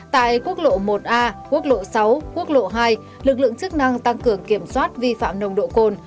tại quốc lộ một a quốc lộ sáu quốc lộ hai lực lượng chức năng tăng cường kiểm soát vi phạm nồng độ cồn